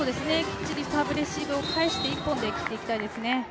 きっちりサーブレシーブを返して１本で抜けたいですよね。